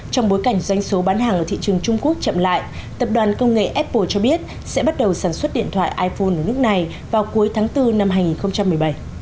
trong bối cảnh doanh số bán hàng ở thị trường trung quốc chậm lại tập đoàn công nghệ apple cho biết sẽ bắt đầu sản xuất điện thoại iphone ở nước này vào cuối tháng bốn năm hai nghìn một mươi bảy